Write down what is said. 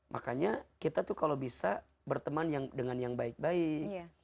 makanya kita tuh kalau bisa berteman dengan yang baik baik